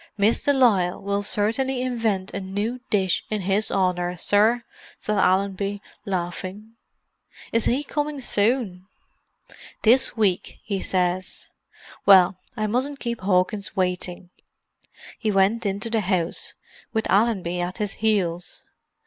"Miss de Lisle will certainly invent a new dish in his honour, sir," said Allenby, laughing. "Is he coming soon?" "This week, he says. Well, I mustn't keep Hawkins waiting." He went into the house, with Allenby at his heels.